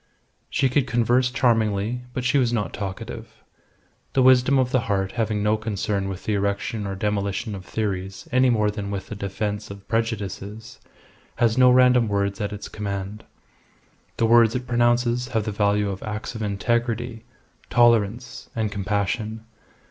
She could converse charmingly, but she was not talkative. The wisdom of the heart having no concern with the erection or demolition of theories any more than with the defence of prejudices, has no random words at its command. The words it pronounces have the value of acts of integrity, tolerance, and compassion.